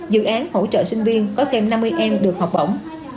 dự án hỗ trợ sinh viên có thêm năm mươi em được học bổng